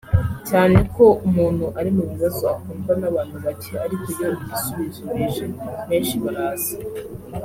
cyane ko umuntu ari mu bibazo akundwa n’ abantu bake ariko iyo ibisubizo bije benshi baraza